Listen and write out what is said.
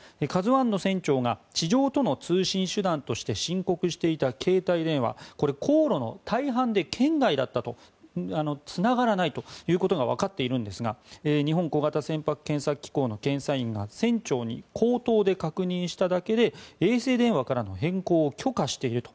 「ＫＡＺＵ１」の船長が地上との通信手段として申告していた携帯電話これ、航路の大半で圏外だったとつながらないということがわかっているんですが日本小型船舶検査機構の検査員が船長に口頭で確認しただけで衛星電話からの変更を許可していると。